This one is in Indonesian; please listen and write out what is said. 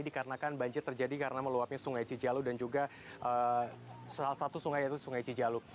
dikarenakan banjir terjadi karena meluapnya sungai cijalu dan juga salah satu sungai yaitu sungai cijalu